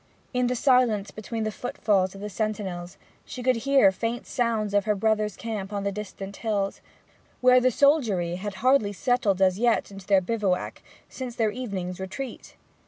In the silence between the footfalls of the sentinels she could hear faint sounds of her brother's camp on the distant hills, where the soldiery had hardly settled as yet into their bivouac since their evening's retreat.